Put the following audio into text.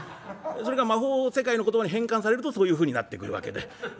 それが魔法世界の言葉に変換されるとそういうふうになってくるわけで。